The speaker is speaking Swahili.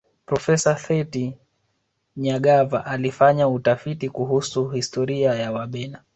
profesa sethi nyagava alifanya utafiti kuhusu historia ya wabena